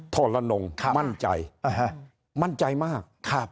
ทรนงมั่นใจมั่นใจมาก